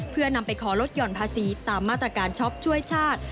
เพื่อนำไปขอลดหย่อนภาษีตามมาตรการช็อปช่วยชาติ